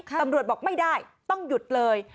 ตำรวจบอกไม่ได้ต้องหยุดเลย